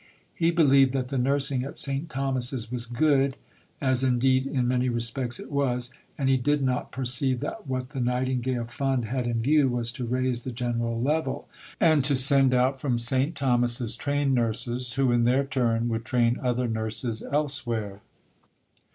He believed that the nursing at St. Thomas's was good (as indeed in many respects it was), and he did not perceive that what the Nightingale Fund had in view was to raise the general level, and to send out from St. Thomas's trained nurses, who in their turn would train other nurses elsewhere.